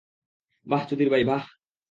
বাহ, চুদির ভাই, বাহ!